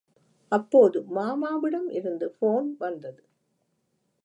அப்போது மாமாவிடம் இருந்து போன் வந்தது.